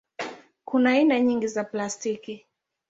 Kuna aina nyingi za plastiki.